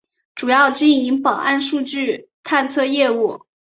主要经营保安数据探测业务。